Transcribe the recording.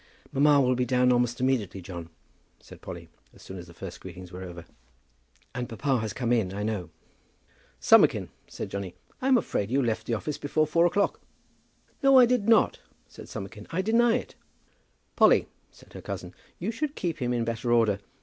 "Mamma will be down almost immediately, John," said Polly as soon as the first greetings were over, "and papa has come in, I know." "Summerkin," said Johnny, "I'm afraid you left the office before four o'clock." "No, I did not," said Summerkin. "I deny it." "Polly," said her cousin, "you should keep him in better order.